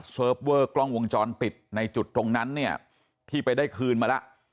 เสิร์ฟเวอร์กล้องวงจรปิดในจุดตรงนั้นฮะที่ไปได้คืนมาแล้ว